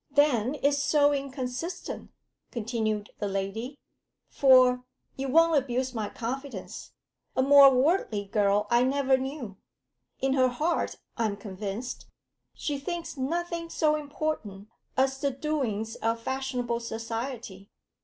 'Then it's so inconsistent,' continued the lady, 'for you won't abuse my confidence a more worldly girl I never knew. In her heart I am convinced she thinks nothing so important as the doings of fashionable society.